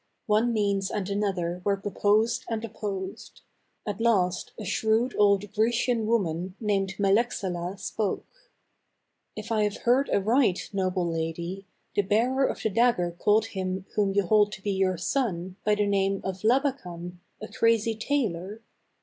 One means and another were proposed and opposed. At last a shrewd old Grecian woman named Melechsalah spoke : THE CARAVAN. 209 "If I have heard aright, noble lady, the bearer of the dagger called him whom you hold to be your son by the name of Labakan, a crazy tailor